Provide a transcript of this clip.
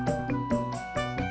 kamu sama amin